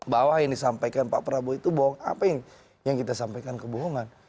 bahwa yang disampaikan pak prabowo itu bohong apa yang kita sampaikan kebohongan